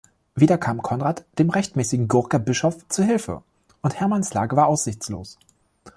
Wieder kam Konrad dem rechtmäßigen Gurker Bischof zu Hilfe und Hermanns Lage war aussichtslos.